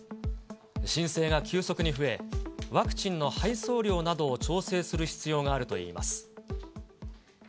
申請が急速に増え、ワクチンの配送量などを調整する必要があるといいます。